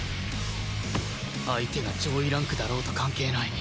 相手が上位ランクだろうと関係ない